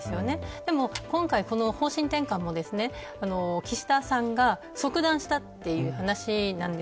でも今回、この方針転換も岸田さんが即断したという話なんです。